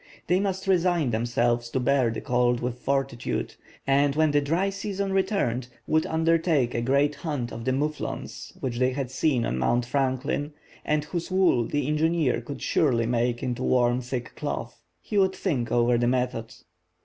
They must resign themselves to bear the cold with fortitude, and when the dry season returned would undertake a great hunt of the moufflons, which they had seen on Mount Franklin, and whose wool the engineer could surely make into warm thick cloth. He would think over the method.